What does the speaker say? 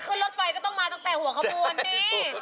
ขึ้นรถไฟก็ต้องมาตั้งแต่หัวขบวนนี่